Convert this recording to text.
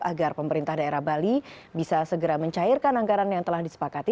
agar pemerintah daerah bali bisa segera mencairkan anggaran yang telah disepakati